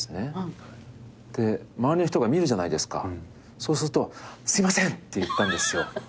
そうするとすいませんって言ったんですよ。